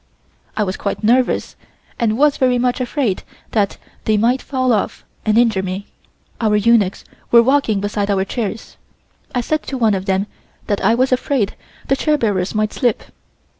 I was quite nervous and was very much afraid that they might fall off and injure me. Our eunuchs were walking beside our chairs. I said to one of them that I was afraid the chair bearers might slip.